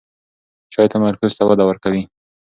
چای تمرکز ته وده ورکوي.